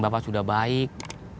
bapak sudah baik